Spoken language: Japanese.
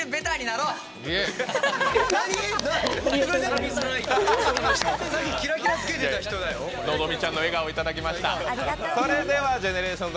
のぞみちゃんの笑顔いただきました。